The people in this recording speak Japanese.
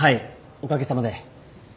おかげさまで。